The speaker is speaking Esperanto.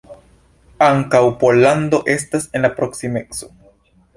Ankaŭ Pollando estas en la proksimeco.